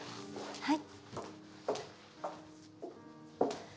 はい。